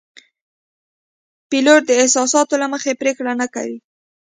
پیلوټ د احساساتو له مخې پرېکړه نه کوي.